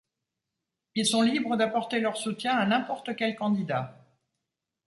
Ils sont libres d'apporter leur soutien à n'importe quel candidat.